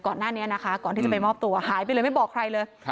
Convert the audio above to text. ก่อนหน้านี้นะคะก่อนที่จะไปมอบตัวหายไปเลยไม่บอกใครเลย